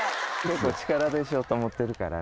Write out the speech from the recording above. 力でしようと思ってるからね。